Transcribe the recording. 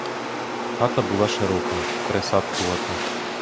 Хата була широка, присадкувата.